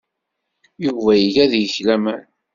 Yuba iga deg-k laman.